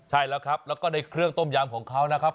ใช่แล้วครับแล้วก็ในเครื่องต้มยำของเขานะครับ